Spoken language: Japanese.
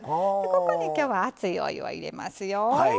ここに今日は熱いお湯を入れますよ。